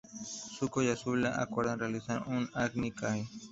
Zuko y Azula acuerdan realizar un Agni Kai.